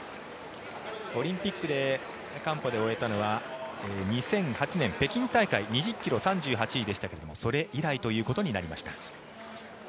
オリンピックで完歩で終えたのは２００８年北京大会２０ｋｍ、３８位でしたけれどそれ以来ということになりました。